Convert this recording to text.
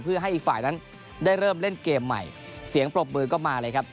เพื่อให้อีกฝ่ายนั้นได้เริ่มเล่นเกมใหม่เสียงปรบมือก็มาเลยครับ